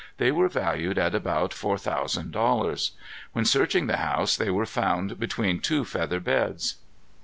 They were valued at about four thousand dollars. When searching the house they were found between two feather beds.